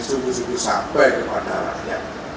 sungguh sungguh sampai kepada rakyat